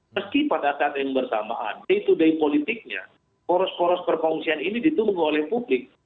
meski pada saat yang bersamaan day to day politiknya poros poros perkongsian ini ditunggu oleh publik